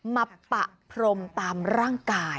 ปะพรมตามร่างกาย